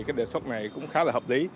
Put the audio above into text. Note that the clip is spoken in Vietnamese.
cái đề xuất này cũng khá là hợp lý